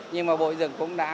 nhưng bộ xây dựng cũng đã